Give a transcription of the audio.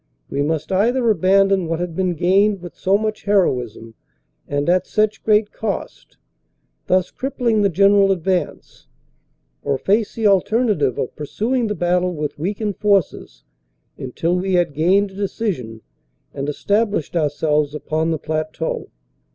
We must either abandon what had been gained with so much heroism and at such great cost, thus crippling the general advance, or face the alternative of pursuing the battle with weakened forces until we had gained a decision and established ourselves upon the plateau.